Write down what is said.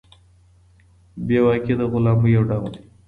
بې واکي د غلامۍ يو ډول دی.